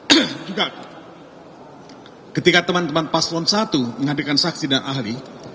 nah juga ketika teman teman paslon satu menghadirkan saksi dan ahli